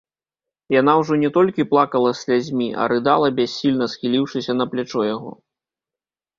Яна ўжо не толькі плакала слязьмі, а рыдала, бяссільна схіліўшыся на плячо яго.